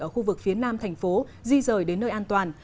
ở khu vực phía nam thành phố di rời đến nơi an toàn